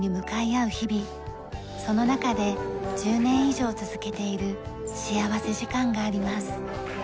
その中で１０年以上続けている幸福時間があります。